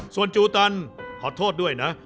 ส่วนจูตันขอโทษด้วยนะ